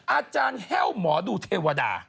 อาจารย์แห้วหมอดูเทวดา